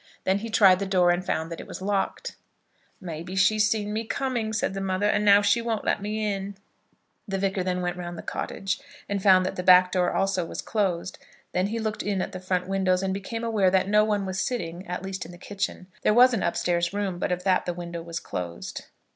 Then he tried the door, and found that it was locked. "May be she's seen me coming," said the mother, "and now she won't let me in." The Vicar then went round the cottage, and found that the back door also was closed. Then he looked in at one of the front windows, and became aware that no one was sitting, at least in the kitchen. There was an upstairs room, but of that the window was closed.